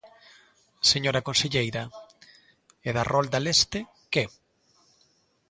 Señora conselleira, e da rolda leste ¿que?